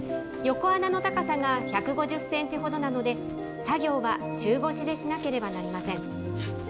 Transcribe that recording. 横穴の高さが１５０センチほどなので、作業は中腰でしなければなりません。